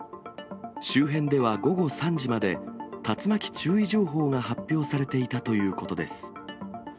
周辺では午後３時まで、竜巻注意情報が発表されていたということです。